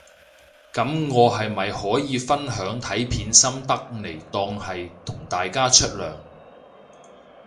噉我係咪可以分享睇片心得嚟當係同大家出糧